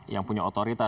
yang punya otoritas